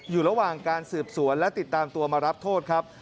อยู่ระหว่างการสืบสวนและติดตามตัวมารับโทษครับ